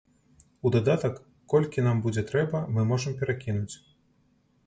У дадатак, колькі нам будзе трэба, мы можам перакінуць.